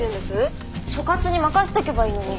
所轄に任せておけばいいのに。